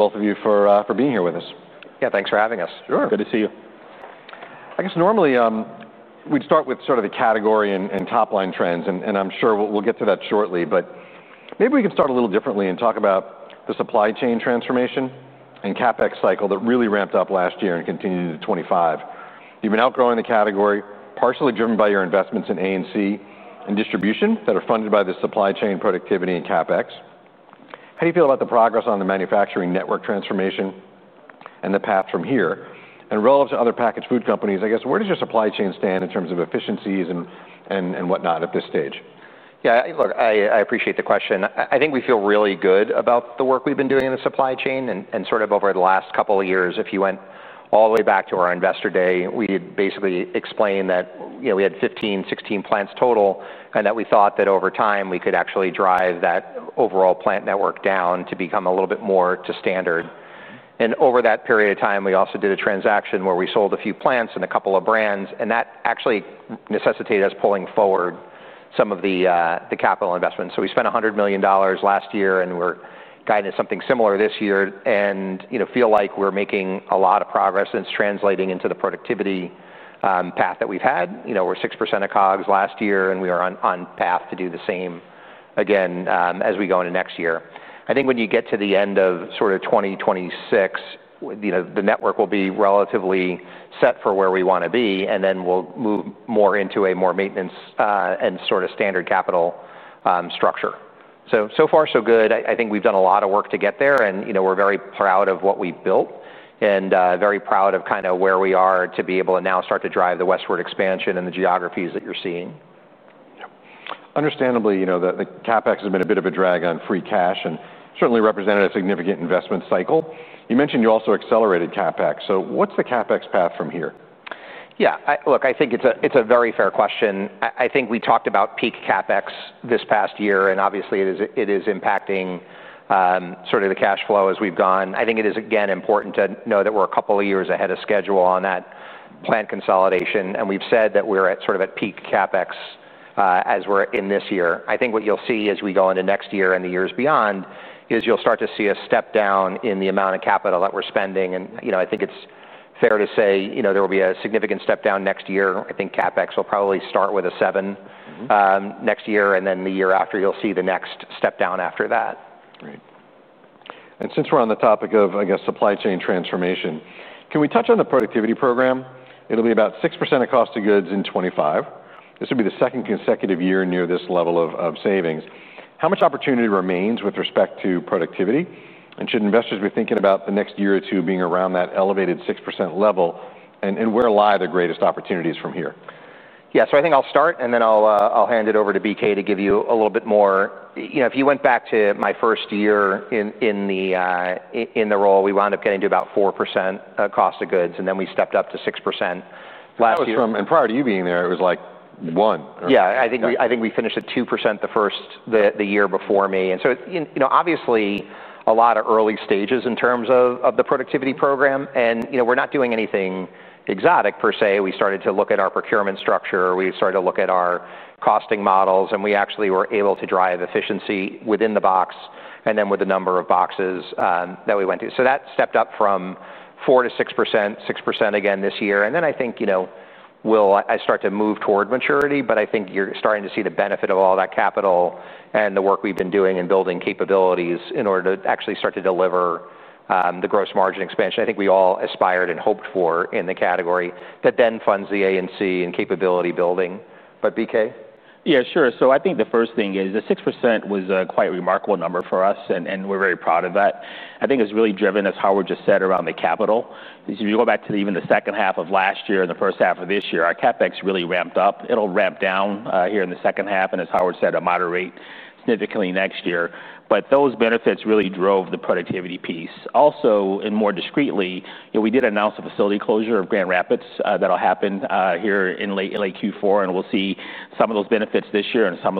... both of you for being here with us. Yeah, thanks for having us. Sure. Good to see you. I guess normally, we'd start with sort of the category and top-line trends, and I'm sure we'll get to that shortly. But maybe we can start a little differently and talk about the supply chain transformation and CapEx cycle that really ramped up last year and continued into 2025. You've been outgrowing the category, partially driven by your investments in A&C and distribution, that are funded by the supply chain productivity and CapEx. How do you feel about the progress on the manufacturing network transformation and the path from here? And relative to other packaged food companies, I guess, where does your supply chain stand in terms of efficiencies and whatnot at this stage? Yeah, look, I appreciate the question. I think we feel really good about the work we've been doing in the supply chain and sort of over the last couple of years. If you went all the way back to our Investor Day, we basically explained that, you know, we had 15, 16 plants total, and that we thought that over time we could actually drive that overall plant network down to become a little bit more to standard. And over that period of time, we also did a transaction where we sold a few plants and a couple of brands, and that actually necessitated us pulling forward some of the capital investments. So we spent $100 million last year, and we're guided something similar this year and, you know, feel like we're making a lot of progress, and it's translating into the productivity path that we've had. You know, we're 6% of COGS last year, and we are on path to do the same again, as we go into next year. I think when you get to the end of sort of 2026, you know, the network will be relatively set for where we wanna be, and then we'll move more into a more maintenance and sort of standard capital structure. So far, so good. I think we've done a lot of work to get there, and, you know, we're very proud of what we've built and, very proud of kind of where we are to be able to now start to drive the westward expansion and the geographies that you're seeing. Yep. Understandably, you know, the CapEx has been a bit of a drag on free cash and certainly represented a significant investment cycle. You mentioned you also accelerated CapEx, so what's the CapEx path from here? Yeah. Look, I think it's a very fair question. I think we talked about peak CapEx this past year, and obviously, it is impacting sort of the cash flow as we've gone. I think it is, again, important to know that we're a couple of years ahead of schedule on that plant consolidation, and we've said that we're at sort of peak CapEx as we're in this year. I think what you'll see as we go into next year and the years beyond is you'll start to see a step down in the amount of capital that we're spending. And, you know, I think it's fair to say, you know, there will be a significant step down next year. I think CapEx will probably start with a seven- Mm-hmm... next year, and then the year after, you'll see the next step down after that. Great. And since we're on the topic of, I guess, supply chain transformation, can we touch on the productivity program? It'll be about 6% of cost of goods in 2025. This will be the second consecutive year near this level of, of savings. How much opportunity remains with respect to productivity, and should investors be thinking about the next year or two being around that elevated 6% level, and, and where lie the greatest opportunities from here? Yeah, so I think I'll start, and then I'll hand it over to BK to give you a little bit more. You know, if you went back to my first year in the role, we wound up getting to about 4% cost of goods, and then we stepped up to 6% last year. That was from... And prior to you being there, it was, like, one. Yeah, I think we- Yeah. I think we finished at 2% the first year before me, and so, you know, obviously, a lot of early stages in terms of the productivity program, and, you know, we're not doing anything exotic per se. We started to look at our procurement structure, we started to look at our costing models, and we actually were able to drive efficiency within the box and then with the number of boxes that we went to, so that stepped up from 4%-6%, 6% again this year. And then I think, you know, we'll start to move toward maturity, but I think you're starting to see the benefit of all that capital and the work we've been doing in building capabilities in order to actually start to deliver the gross margin expansion I think we all aspired and hoped for in the category, that then funds the A&C and capability building. But BK? Yeah, sure. So I think the first thing is the 6% was a quite remarkable number for us, and we're very proud of that. I think it's really driven, as Howard just said, around the CapEx. If you go back to even the second half of last year and the first half of this year, our CapEx really ramped up. It'll ramp down here in the second half, and as Howard said, it'll moderate significantly next year. But those benefits really drove the productivity piece. Also, and more discreetly, you know, we did announce a facility closure of Grand Rapids that'll happen here in late Q4, and we'll see some of those benefits this year and some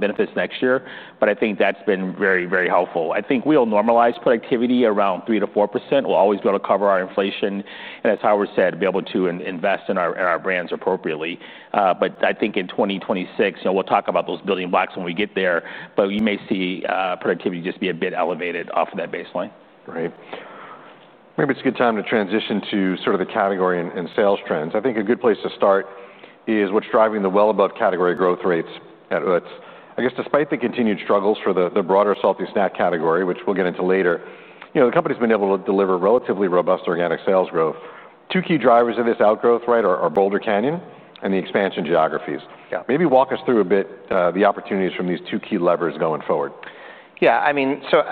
benefits next year. But I think that's been very, very helpful. I think we'll normalize productivity around 3%-4%. We'll always be able to cover our inflation, and as Howard said, be able to invest in our brands appropriately. But I think in 2026, you know, we'll talk about those building blocks when we get there, but we may see productivity just be a bit elevated off of that baseline. Great. Maybe it's a good time to transition to sort of the category and sales trends. I think a good place to start is what's driving the well above category growth rates at Utz. I guess despite the continued struggles for the broader salty snack category, which we'll get into later, you know, the company's been able to deliver relatively robust organic sales growth. Two key drivers of this outgrowth, right, are Boulder Canyon and the expansion geographies. Yeah. Maybe walk us through a bit, the opportunities from these two key levers going forward. Yeah, I mean, so,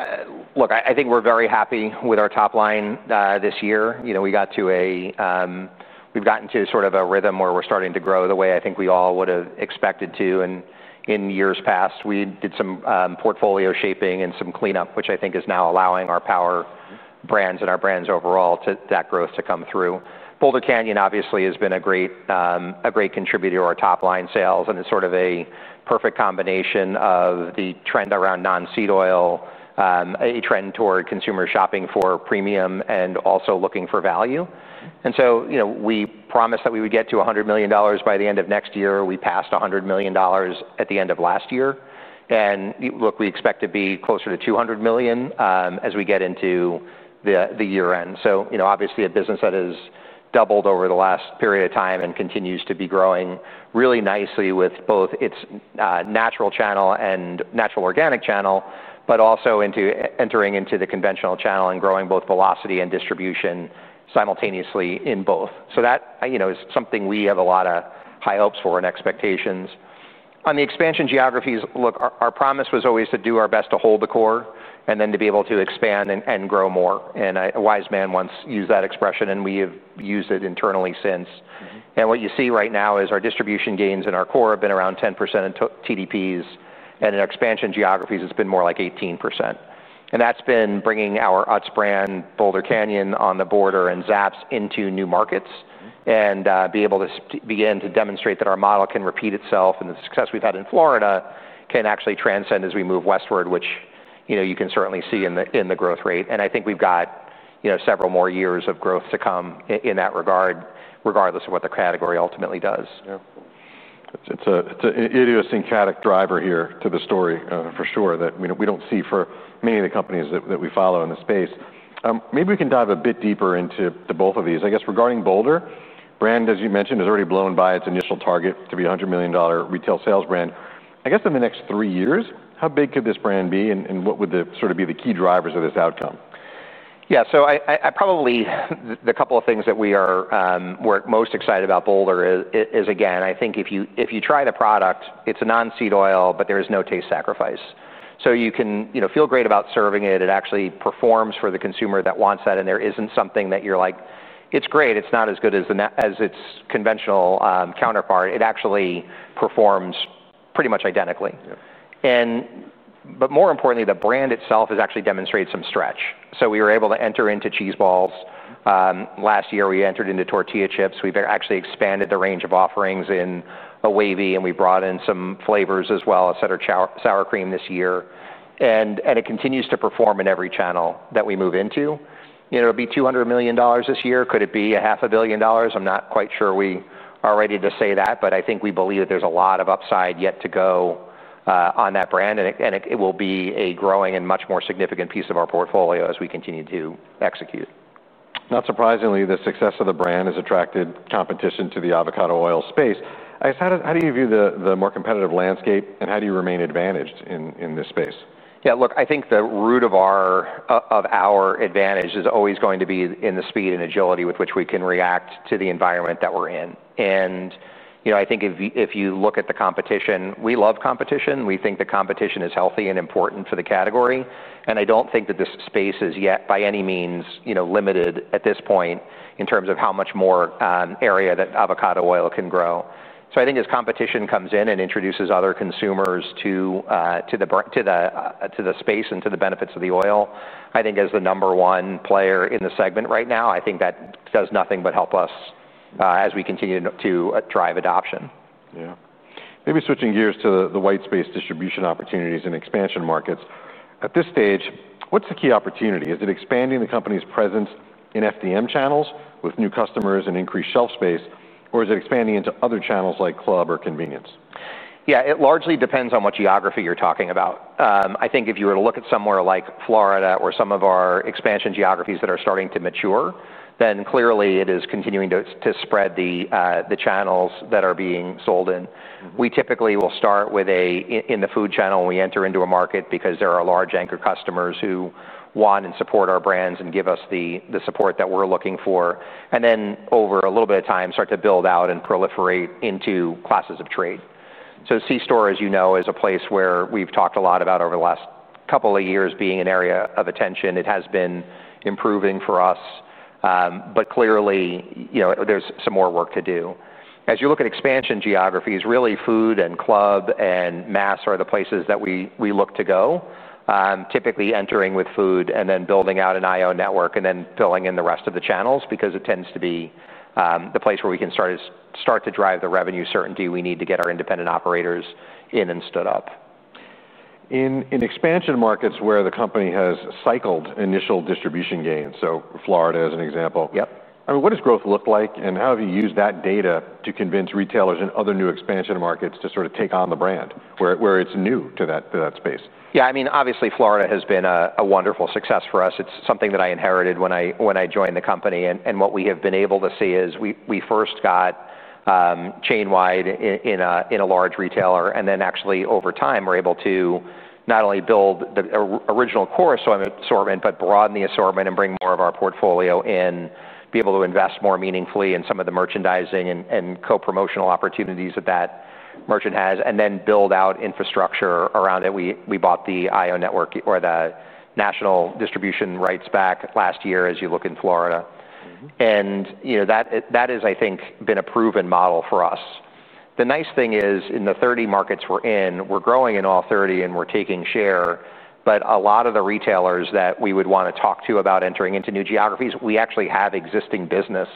look, I think we're very happy with our top line this year. You know, we got to a... We've gotten to sort of a rhythm where we're starting to grow the way I think we all would've expected to in years past. We did some portfolio shaping and some cleanup, which I think is now allowing our Power Brands and our brands overall to that growth to come through. Boulder Canyon obviously has been a great contributor to our top-line sales, and it's sort of a perfect combination of the trend around non-seed oil, a trend toward consumer shopping for premium, and also looking for value. And so, you know, we promised that we would get to $100 million by the end of next year. We passed $100 million at the end of last year, and, look, we expect to be closer to $200 million as we get into the year-end. So, you know, obviously a business that is doubled over the last period of time and continues to be growing really nicely with both its natural channel and natural organic channel, but also entering into the conventional channel and growing both velocity and distribution simultaneously in both. So that, you know, is something we have a lot of high hopes for and expectations. On the expansion geographies, look, our promise was always to do our best to hold the core, and then to be able to expand and grow more. And a wise man once used that expression, and we have used it internally since. Mm-hmm. What you see right now is our distribution gains in our core have been around 10% into TDPs, and in expansion geographies, it's been more like 18%. That's been bringing our Utz Brand, Boulder Canyon, On The Border, and Zapp's into new markets- Mm. and be able to begin to demonstrate that our model can repeat itself, and the success we've had in Florida can actually transcend as we move westward, which, you know, you can certainly see in the growth rate. And I think we've got, you know, several more years of growth to come in that regard, regardless of what the category ultimately does. Yeah. It's a idiosyncratic driver here to the story, for sure, that you know we don't see for many of the companies that we follow in the space. Maybe we can dive a bit deeper into both of these. I guess, regarding Boulder brand, as you mentioned, has already blown by its initial target to be $100 million retail sales brand. I guess in the next three years, how big could this brand be, and what would sort of be the key drivers of this outcome? Yeah, so I probably... The couple of things that we are, we're most excited about Boulder is, again, I think if you, if you try the product, it's a non-seed oil, but there is no taste sacrifice. So you can, you know, feel great about serving it. It actually performs for the consumer that wants that, and there isn't something that you're like, "It's great. It's not as good as its conventional counterpart." It actually performs pretty much identically. Yeah. But more importantly, the brand itself has actually demonstrated some stretch, so we were able to enter into cheese balls. Last year, we entered into tortilla chips. We've actually expanded the range of offerings in a wavy, and we brought in some flavors as well as sour cream this year. And it continues to perform in every channel that we move into. You know, it'll be $200 million this year. Could it be $500 million? I'm not quite sure we are ready to say that, but I think we believe that there's a lot of upside yet to go on that brand, and it will be a growing and much more significant piece of our portfolio as we continue to execute. Not surprisingly, the success of the brand has attracted competition to the avocado oil space. I guess, how do you view the more competitive landscape, and how do you remain advantaged in this space? Yeah, look, I think the root of our advantage is always going to be in the speed and agility with which we can react to the environment that we're in. And, you know, I think if you look at the competition, we love competition. We think the competition is healthy and important for the category, and I don't think that this space is yet, by any means, you know, limited at this point in terms of how much more area that avocado oil can grow. So I think as competition comes in and introduces other consumers to the space and to the benefits of the oil, I think as the number one player in the segment right now, I think that does nothing but help us as we continue to drive adoption. Yeah. Maybe switching gears to the white space distribution opportunities in expansion markets. At this stage, what's the key opportunity? Is it expanding the company's presence in FDM channels with new customers and increased shelf space, or is it expanding into other channels like club or convenience? Yeah, it largely depends on what geography you're talking about. I think if you were to look at somewhere like Florida or some of our expansion geographies that are starting to mature, then clearly it is continuing to spread the channels that are being sold in. Mm. We typically will start with, in the food channel, when we enter into a market because there are large anchor customers who want and support our brands and give us the support that we're looking for, and then over a little bit of time, start to build out and proliferate into classes of trade. So C-store, as you know, is a place where we've talked a lot about over the last couple of years being an area of attention. It has been improving for us, but clearly, you know, there's some more work to do. As you look at expansion geographies, really, food and club and mass are the places that we look to go. Typically entering with food, and then building out an IO network, and then filling in the rest of the channels because it tends to be the place where we can start to drive the revenue certainty we need to get our independent operators in and stood up. In expansion markets where the company has cycled initial distribution gains, so Florida, as an example. Yep. I mean, what does growth look like, and how have you used that data to convince retailers in other new expansion markets to sort of take on the brand, where it's new to that space? Yeah, I mean, obviously, Florida has been a wonderful success for us. It's something that I inherited when I joined the company, and what we have been able to see is we first got chain-wide in a large retailer, and then actually, over time, we're able to not only build the original core assortment, but broaden the assortment and bring more of our portfolio in, be able to invest more meaningfully in some of the merchandising and co-promotional opportunities that that merchant has, and then build out infrastructure around it. We bought the IO network, or the national distribution rights back last year, as you look in Florida. Mm-hmm. You know, that has, I think, been a proven model for us. The nice thing is, in the 30 markets we're in, we're growing in all 30, and we're taking share, but a lot of the retailers that we would wanna talk to about entering into new geographies, we actually have existing business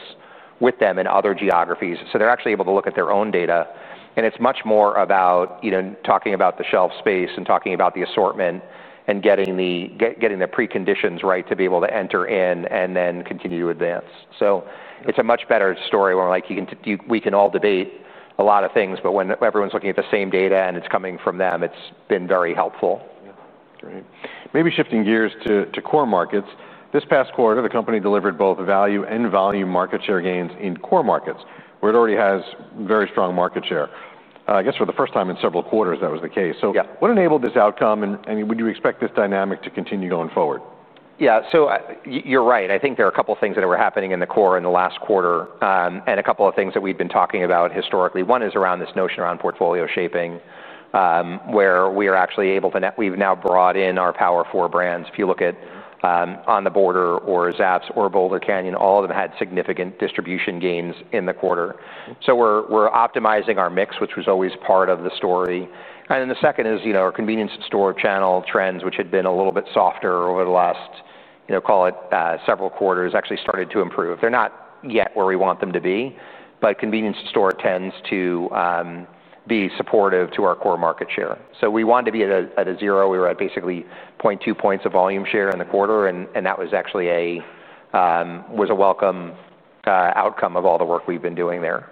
with them in other geographies. So they're actually able to look at their own data, and it's much more about, you know, talking about the shelf space and talking about the assortment and getting the preconditions right to be able to enter in and then continue to advance. So it's a much better story when, like, we can all debate a lot of things, but when everyone's looking at the same data and it's coming from them, it's been very helpful. Great. Maybe shifting gears to core markets. This past quarter, the company delivered both value and volume market share gains in core markets, where it already has very strong market share. I guess for the first time in several quarters, that was the case. Yeah. So what enabled this outcome, and would you expect this dynamic to continue going forward? Yeah, so, you're right. I think there are a couple things that were happening in the core in the last quarter, and a couple of things that we've been talking about historically. One is around this notion around portfolio shaping, where we are actually able to now we've now brought in our Power Four brands. If you look at On The Border or Zapp's or Boulder Canyon, all of them had significant distribution gains in the quarter. So we're optimizing our mix, which was always part of the story. And then the second is, you know, our convenience store channel trends, which had been a little bit softer over the last, you know, call it several quarters, actually started to improve. They're not yet where we want them to be, but convenience store tends to be supportive to our core market share. We wanted to be at a zero. We were at basically 0.2 points of volume share in the quarter, and that was actually a welcome outcome of all the work we've been doing there.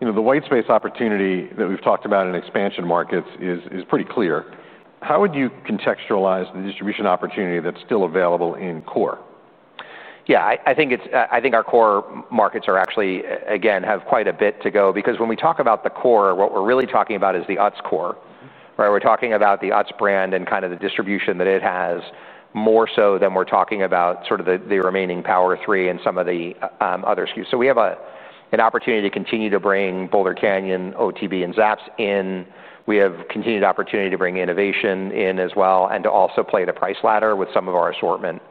You know, the white space opportunity that we've talked about in expansion markets is, is pretty clear. How would you contextualize the distribution opportunity that's still available in core? Yeah, I think it's... I think our core markets are actually, again, have quite a bit to go. Because when we talk about the core, what we're really talking about is the Utz core, right? We're talking about the Utz Brand and kind of the distribution that it has, more so than we're talking about sort of the remaining Power Three and some of the other SKUs. So we have an opportunity to continue to bring Boulder Canyon, OTB, and Zapp's in. We have continued opportunity to bring innovation in as well, and to also play the price ladder with some of our assortment.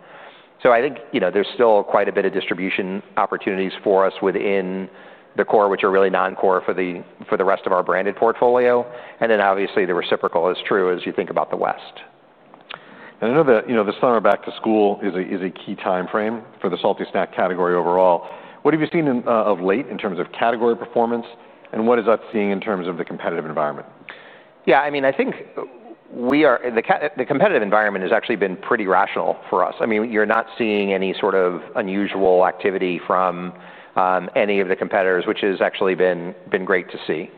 So I think, you know, there's still quite a bit of distribution opportunities for us within the core, which are really non-core for the rest of our branded portfolio, and then obviously the reciprocal is true as you think about the West. I know that, you know, the summer back-to-school is a key timeframe for the salty snack category overall. What have you seen in of late in terms of category performance, and what is Utz seeing in terms of the competitive environment? Yeah, I mean, I think the competitive environment has actually been pretty rational for us. I mean, you're not seeing any sort of unusual activity from any of the competitors, which has actually been great to see.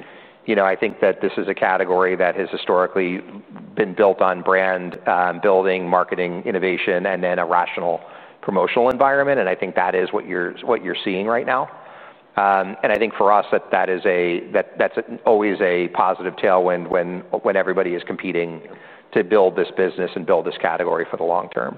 You know, I think that this is a category that has historically been built on brand building, marketing, innovation, and then a rational promotional environment, and I think that is what you're seeing right now. And I think for us, that is always a positive tailwind when everybody is competing to build this business and build this category for the long term.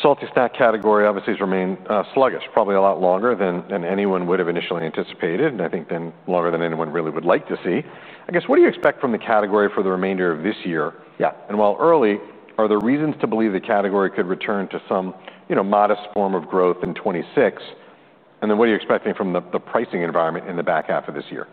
Salty snack category obviously has remained sluggish, probably a lot longer than anyone would have initially anticipated, and I think then longer than anyone really would like to see. I guess, what do you expect from the category for the remainder of this year? Yeah. And while early, are there reasons to believe the category could return to some, you know, modest form of growth in 2026? And then what are you expecting from the pricing environment in the back half of this year?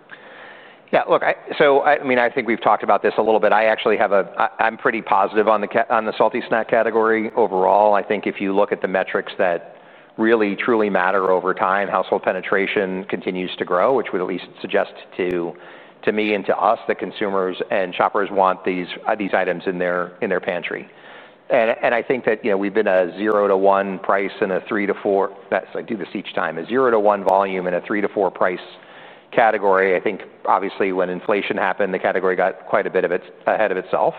Yeah, look, so I mean, I think we've talked about this a little bit. I actually, I'm pretty positive on the salty snack category overall. I think if you look at the metrics that really truly matter over time, household penetration continues to grow, which would at least suggest to me and to us that consumers and shoppers want these items in their pantry. And I think that, you know, we've been a zero to one price and a three to four. I do this each time. A zero to one volume and a three to four price category. I think obviously when inflation happened, the category got quite a bit of it ahead of itself,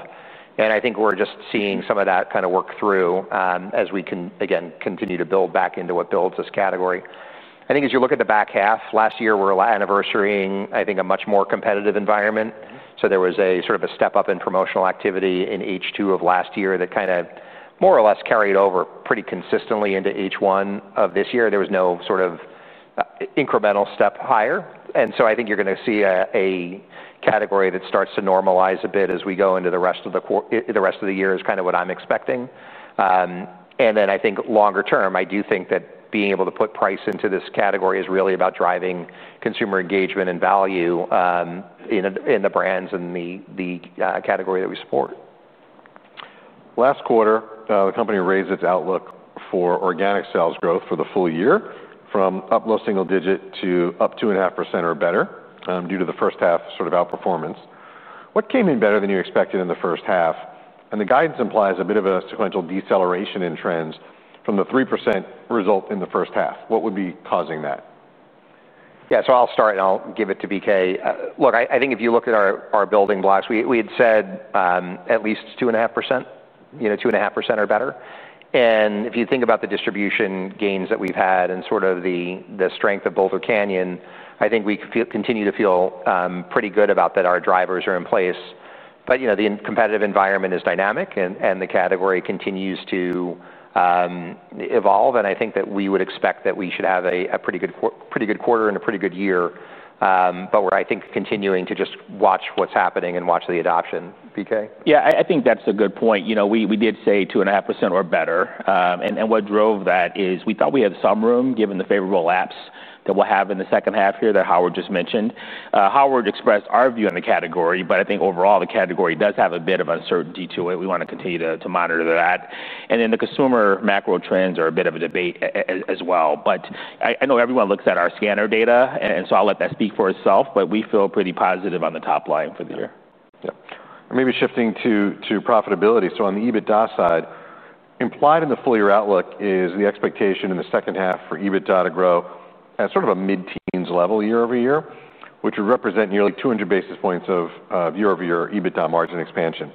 and I think we're just seeing some of that kind of work through, as we can, again, continue to build back into what builds this category. I think as you look at the back half, last year, we're anniversarying, I think, a much more competitive environment. So there was a sort of a step up in promotional activity in H2 of last year that kind of more or less carried over pretty consistently into H1 of this year. There was no sort of, incremental step higher, and so I think you're gonna see a category that starts to normalize a bit as we go into the rest of the year, is kind of what I'm expecting. And then I think longer term, I do think that being able to put price into this category is really about driving consumer engagement and value in the brands and the category that we support. Last quarter, the company raised its outlook for organic sales growth for the full year, from up low single digit to up 2.5% or better, due to the first half sort of outperformance. What came in better than you expected in the first half? And the guidance implies a bit of a sequential deceleration in trends from the 3% result in the first half. What would be causing that? Yeah, so I'll start, and I'll give it to BK. Look, I think if you look at our building blocks, we had said at least 2.5%, you know, 2.5% or better. And if you think about the distribution gains that we've had and sort of the strength of Boulder Canyon, I think we feel- continue to feel pretty good about that our drivers are in place. But, you know, the competitive environment is dynamic, and the category continues to evolve, and I think that we would expect that we should have a pretty good quarter and a pretty good year. But we're, I think, continuing to just watch what's happening and watch the adoption. BK? Yeah, I think that's a good point. You know, we did say 2.5% or better, and what drove that is we thought we had some room, given the favorable lapse that we'll have in the second half here that Howard just mentioned. Howard expressed our view on the category, but I think overall, the category does have a bit of uncertainty to it. We want to continue to monitor that. And then the consumer macro trends are a bit of a debate as well. But I know everyone looks at our scanner data, and so I'll let that speak for itself, but we feel pretty positive on the top line for the year. Yeah. Yeah. Maybe shifting to profitability. So on the EBITDA side, implied in the full year outlook is the expectation in the second half for EBITDA to grow at sort of a mid-teens level year over year, which would represent nearly two hundred basis points of year over year EBITDA margin expansion.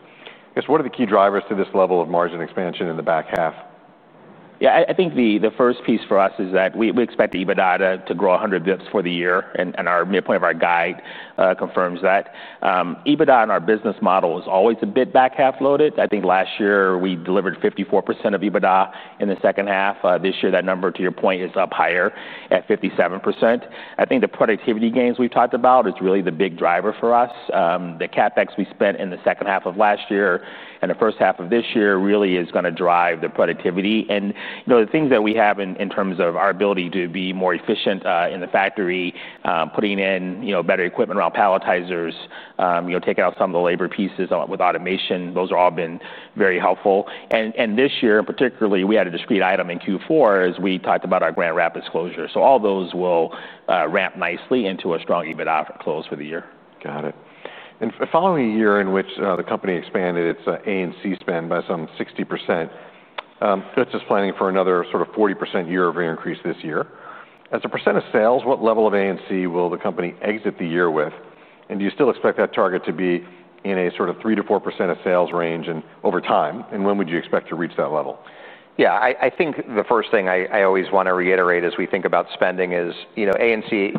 I guess, what are the key drivers to this level of margin expansion in the back half? Yeah, I think the first piece for us is that we expect the EBITDA to grow 100 bps for the year, and our midpoint of our guide confirms that. EBITDA in our business model is always a bit back half loaded. I think last year we delivered 54% of EBITDA in the second half. This year, that number, to your point, is up higher at 57%. I think the productivity gains we've talked about is really the big driver for us. The CapEx we spent in the second half of last year and the first half of this year really is gonna drive the productivity. You know, the things that we have in terms of our ability to be more efficient in the factory, putting in, you know, better equipment around palletizers, you know, taking out some of the labor pieces with automation. Those have all been very helpful. And this year, particularly, we had a discrete item in Q4 as we talked about our Grand Rapids closure. So all those will ramp nicely into a strong EBITDA close for the year. Got it. And following a year in which the company expanded its A&C spend by some 60%, it's just planning for another sort of 40% year over year increase this year. As a percent of sales, what level of A&C will the company exit the year with? And do you still expect that target to be in a sort of 3%-4% of sales range in over time, and when would you expect to reach that level? Yeah, I think the first thing I always wanna reiterate as we think about spending is, you know, A&C,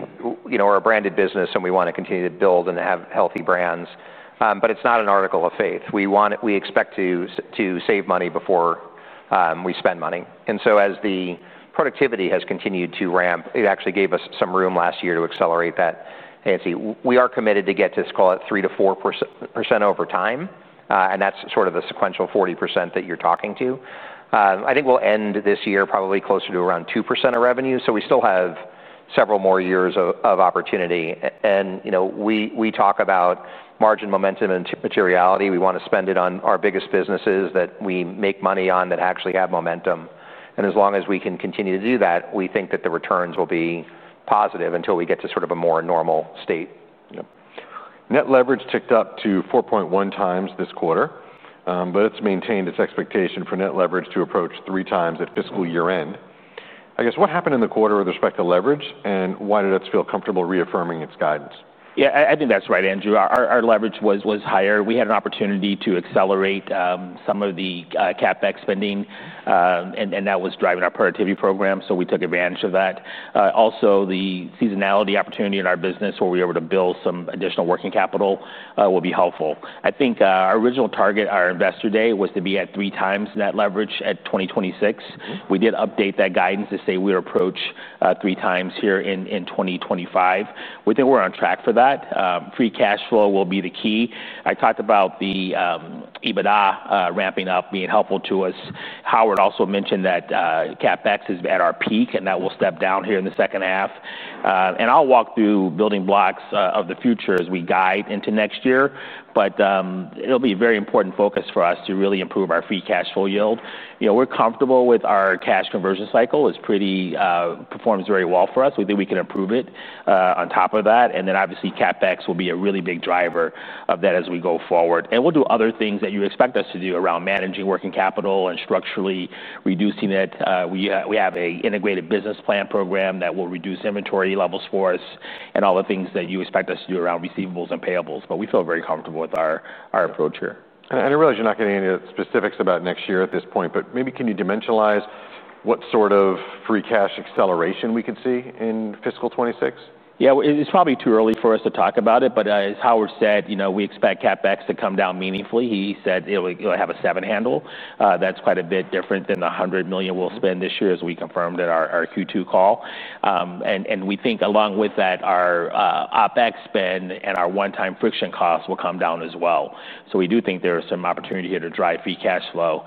you know, we're a branded business and we wanna continue to build and have healthy brands, but it's not an article of faith. We want to save money before we spend money. And so as the productivity has continued to ramp, it actually gave us some room last year to accelerate that A&C. We are committed to get to, let's call it, 3%-4% over time, and that's sort of the sequential 40% that you're talking to. I think we'll end this year probably closer to around 2% of revenue, so we still have several more years of opportunity. And, you know, we talk about margin momentum and materiality. We wanna spend it on our biggest businesses that we make money on, that actually have momentum, and as long as we can continue to do that, we think that the returns will be positive until we get to sort of a more normal state. Yep. Net leverage ticked up to 4.1x this quarter, but it's maintained its expectation for net leverage to approach three times at fiscal year end. I guess, what happened in the quarter with respect to leverage, and why did Utz feel comfortable reaffirming its guidance? Yeah, I think that's right, Andrew. Our leverage was higher. We had an opportunity to accelerate some of the CapEx spending, and that was driving our productivity program, so we took advantage of that. Also, the seasonality opportunity in our business, where we were able to build some additional working capital, will be helpful. I think, our original target, our Investor Day, was to be at three times net leverage at 2026. Mm-hmm. We did update that guidance to say we would approach three times here in twenty twenty-five. We think we're on track for that. Free cash flow will be the key. I talked about the EBITDA ramping up, being helpful to us. Howard also mentioned that CapEx is at our peak, and that will step down here in the second half, and I'll walk through building blocks of the future as we guide into next year, but it'll be a very important focus for us to really improve our free cash flow yield. You know, we're comfortable with our cash conversion cycle. It's pretty performs very well for us. We think we can improve it on top of that, and then obviously, CapEx will be a really big driver of that as we go forward. We'll do other things that you expect us to do around managing working capital and structurally reducing it. We have an integrated business plan program that will reduce inventory levels for us and all the things that you expect us to do around receivables and payables, but we feel very comfortable with our approach here. I realize you're not giving any specifics about next year at this point, but maybe can you dimensionalize what sort of free cash acceleration we could see in fiscal 2026? Yeah, it's probably too early for us to talk about it, but, as Howard said, you know, we expect CapEx to come down meaningfully. He said it'll have a seven handle. That's quite a bit different than the $100 million we'll spend this year, as we confirmed in our Q2 call. And we think along with that, our OpEx spend and our one-time friction costs will come down as well. So we do think there are some opportunity here to drive free cash flow.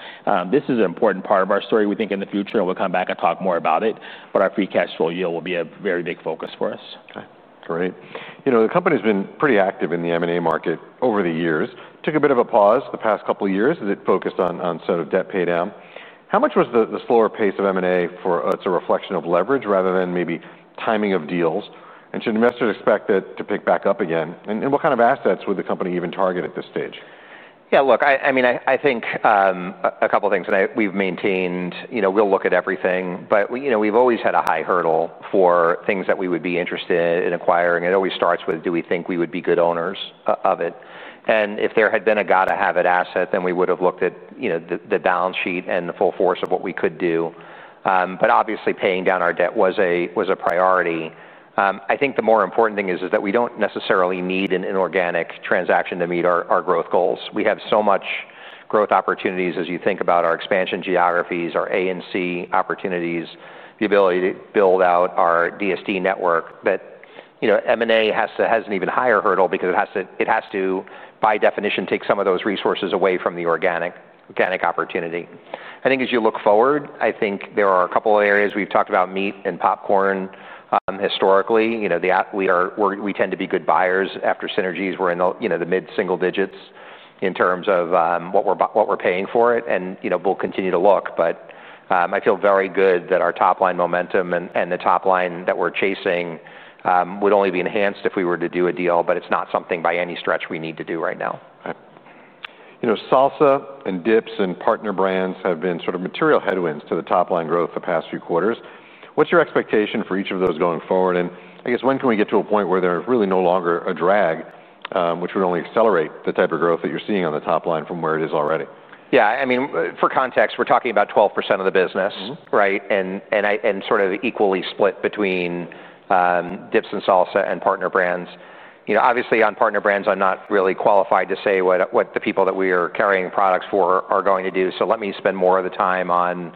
This is an important part of our story. We think in the future, and we'll come back and talk more about it, but our free cash flow yield will be a very big focus for us. Okay, great. You know, the company's been pretty active in the M&A market over the years. Took a bit of a pause the past couple of years as it focused on sort of debt paydown. How much was the slower pace of M&A? It's a reflection of leverage, rather than maybe timing of deals? And should investors expect it to pick back up again, and what kind of assets would the company even target at this stage? Yeah, look, I mean, I think a couple things, and we've maintained, you know, we'll look at everything, but we, you know, we've always had a high hurdle for things that we would be interested in acquiring. It always starts with: Do we think we would be good owners of it? And if there had been a gotta-have-it asset, then we would have looked at, you know, the balance sheet and the full force of what we could do. But obviously, paying down our debt was a priority. I think the more important thing is that we don't necessarily need an inorganic transaction to meet our growth goals. We have so much growth opportunities, as you think about our expansion geographies, our A&C opportunities, the ability to build out our DSD network, that, you know, M&A has an even higher hurdle because it has to, by definition, take some of those resources away from the organic opportunity. I think as you look forward, I think there are a couple of areas. We've talked about meat and popcorn. Historically, you know, we tend to be good buyers after synergies. We're in the, you know, the mid-single digits in terms of what we're paying for it, and, you know, we'll continue to look, but... I feel very good that our top-line momentum and the top line that we're chasing would only be enhanced if we were to do a deal, but it's not something by any stretch we need to do right now. Right. You know, salsa and dips and partner brands have been sort of material headwinds to the top-line growth the past few quarters. What's your expectation for each of those going forward? And I guess when can we get to a point where they're really no longer a drag, which would only accelerate the type of growth that you're seeing on the top line from where it is already? Yeah, I mean, for context, we're talking about 12% of the business- Mm-hmm. Right? And sort of equally split between dips and salsa and partner brands. You know, obviously, on partner brands, I'm not really qualified to say what the people that we are carrying products for are going to do, so let me spend more of the time on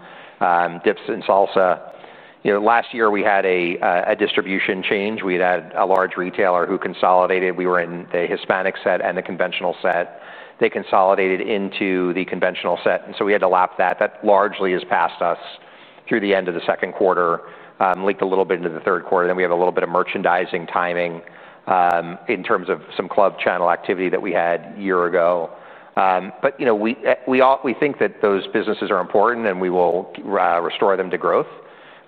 dips and salsa. You know, last year we had a distribution change. We'd had a large retailer who consolidated. We were in the Hispanic set and the conventional set. They consolidated into the conventional set, and so we had to lap that. That largely has passed us through the end of the second quarter, leaked a little bit into the third quarter, then we had a little bit of merchandising timing in terms of some club channel activity that we had a year ago. But you know, we think that those businesses are important, and we will restore them to growth.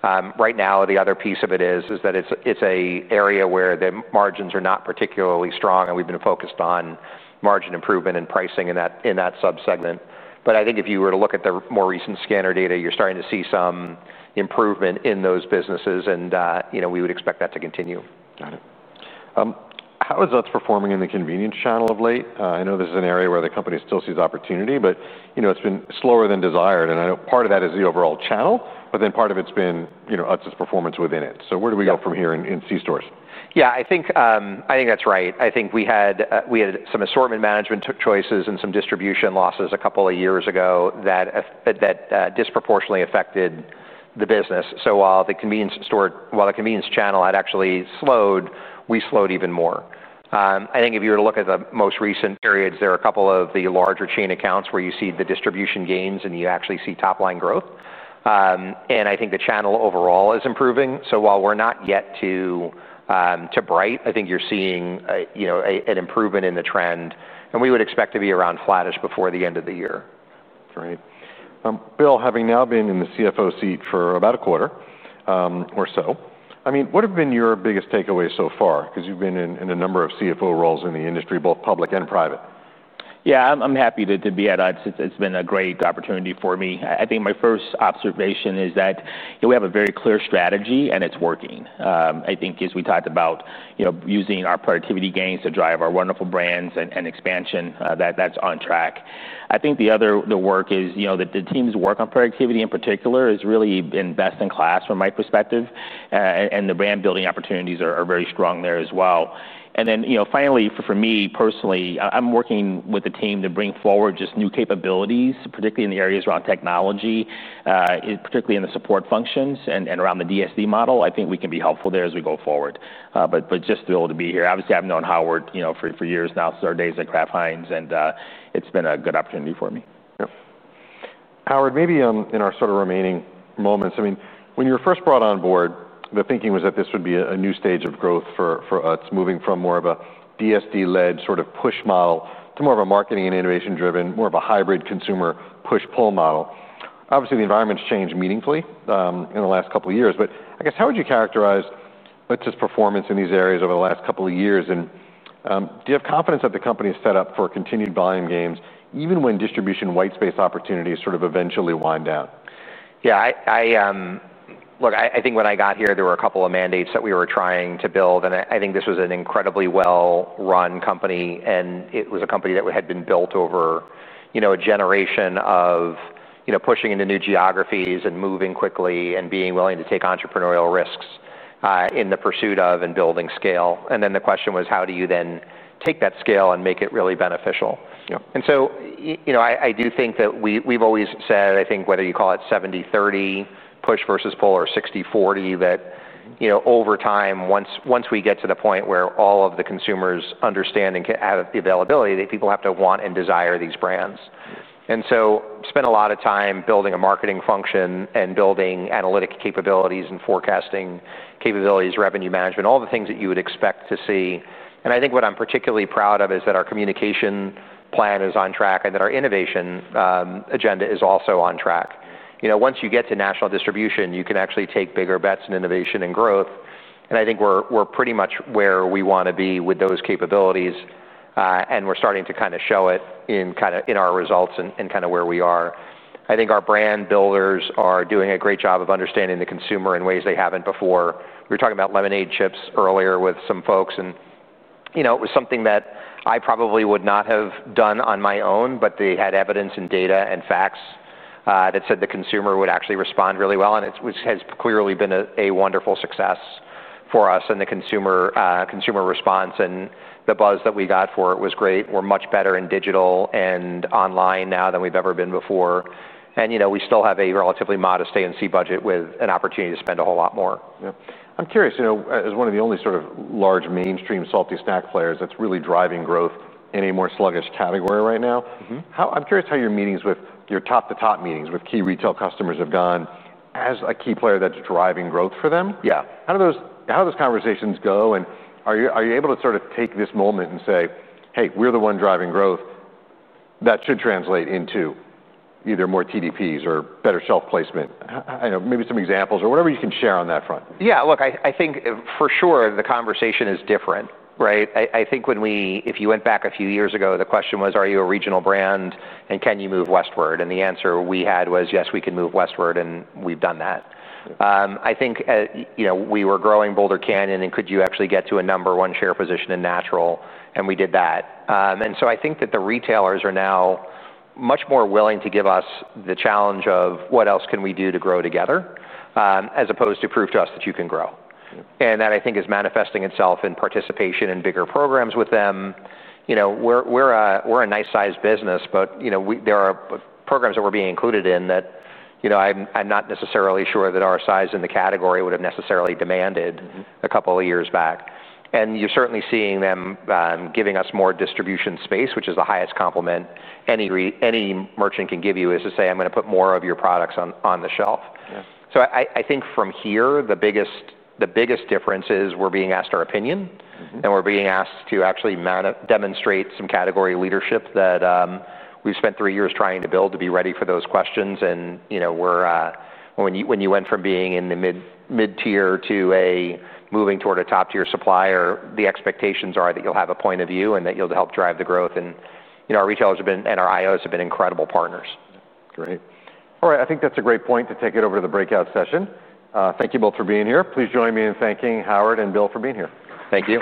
Right now, the other piece of it is that it's an area where the margins are not particularly strong, and we've been focused on margin improvement and pricing in that sub-segment. But I think if you were to look at the more recent scanner data, you're starting to see some improvement in those businesses, and you know, we would expect that to continue. Got it. How is Utz performing in the convenience channel of late? I know this is an area where the company still sees opportunity, but, you know, it's been slower than desired, and I know part of that is the overall channel, but then part of it's been, you know, Utz's performance within it. Yeah. So where do we go from here in C-stores? Yeah, I think, I think that's right. I think we had some assortment management choices and some distribution losses a couple of years ago that disproportionately affected the business. So while the convenience store... While the convenience channel had actually slowed, we slowed even more. I think if you were to look at the most recent periods, there are a couple of the larger chain accounts where you see the distribution gains, and you actually see top-line growth, and I think the channel overall is improving, so while we're not yet too bright, I think you're seeing a you know, an improvement in the trend, and we would expect to be around flattish before the end of the year. Great. Bill, having now been in the CFO seat for about a quarter, or so, I mean, what have been your biggest takeaways so far? Because you've been in a number of CFO roles in the industry, both public and private. Yeah, I'm happy to be at Utz. It's been a great opportunity for me. I think my first observation is that, you know, we have a very clear strategy, and it's working. I think as we talked about, you know, using our productivity gains to drive our wonderful brands and expansion, that's on track. I think the other work is, you know, the team's work on productivity in particular has really been best in class from my perspective, and the brand-building opportunities are very strong there as well. And then, you know, finally, for me personally, I'm working with the team to bring forward just new capabilities, particularly in the areas around technology, particularly in the support functions and around the DSD model. I think we can be helpful there as we go forward. But just to be able to be here, obviously. I've known Howard, you know, for years now, since our days at Kraft Heinz, and it's been a good opportunity for me. Yep. Howard, maybe in our sort of remaining moments, I mean, when you were first brought on board, the thinking was that this would be a new stage of growth for Utz, moving from more of a DSD-led sort of push model to more of a marketing and innovation driven, more of a hybrid consumer push-pull model. Obviously, the environment's changed meaningfully in the last couple of years, but I guess, how would you characterize Utz's performance in these areas over the last couple of years? And do you have confidence that the company is set up for continued volume gains, even when distribution white space opportunities sort of eventually wind down? Yeah. Look, I think when I got here, there were a couple of mandates that we were trying to build, and I think this was an incredibly well-run company, and it was a company that had been built over, you know, a generation of, you know, pushing into new geographies and moving quickly and being willing to take entrepreneurial risks in the pursuit of and building scale. And then the question was, how do you then take that scale and make it really beneficial? Yeah. And so, you know, I do think that we've always said, I think, whether you call it 70/30, push versus pull, or 60/40, that you know, over time, once we get to the point where all of the consumers understand and can have the availability, that people have to want and desire these brands. And so, spent a lot of time building a marketing function and building analytic capabilities and forecasting capabilities, revenue management, all the things that you would expect to see. And I think what I'm particularly proud of is that our communication plan is on track and that our innovation agenda is also on track. You know, once you get to national distribution, you can actually take bigger bets in innovation and growth, and I think we're pretty much where we wanna be with those capabilities, and we're starting to kind of show it in kind of in our results and kind of where we are. I think our brand builders are doing a great job of understanding the consumer in ways they haven't before. We were talking about lemonade chips earlier with some folks, and you know, it was something that I probably would not have done on my own, but they had evidence and data and facts that said the consumer would actually respond really well, and it which has clearly been a wonderful success for us, and the consumer response and the buzz that we got for it was great. We're much better in digital and online now than we've ever been before, and you know, we still have a relatively modest A&C budget with an opportunity to spend a whole lot more. Yeah. I'm curious, you know, as one of the only sort of large mainstream salty snack players that's really driving growth in a more sluggish category right now. Mm-hmm. I'm curious how your meetings with, your top-to-top meetings with key retail customers have gone as a key player that's driving growth for them. Yeah. How do those conversations go, and are you able to sort of take this moment and say, "Hey, we're the one driving growth that should translate into either more TDPs or better shelf placement?" I know, maybe some examples or whatever you can share on that front. Yeah, look, I, I think for sure the conversation is different, right? I, I think if you went back a few years ago, the question was, "Are you a regional brand, and can you move westward?" And the answer we had was, "Yes, we can move westward," and we've done that. I think, you know, we were growing Boulder Canyon, and could you actually get to a number one share position in natural? And we did that. And so I think that the retailers are now much more willing to give us the challenge of, "What else can we do to grow together," as opposed to, "Prove to us that you can grow. Mm-hmm. That, I think, is manifesting itself in participation in bigger programs with them. You know, we're a nice-sized business, but, you know, there are programs that we're being included in that, you know, I'm not necessarily sure that our size in the category would have necessarily demanded- Mm-hmm... a couple of years back. And you're certainly seeing them, giving us more distribution space, which is the highest compliment any merchant can give you, is to say, "I'm gonna put more of your products on, on the shelf. Yeah. So I think from here, the biggest difference is we're being asked our opinion- Mm-hmm... and we're being asked to actually demonstrate some category leadership that we've spent three years trying to build to be ready for those questions. And you know, we're. When you went from being in the mid-tier to moving toward a top-tier supplier, the expectations are that you'll have a point of view and that you'll help drive the growth. And you know, our retailers have been, and our IOs, incredible partners. Great. All right, I think that's a great point to take it over to the breakout session. Thank you both for being here. Please join me in thanking Howard and Bill for being here. Thank you.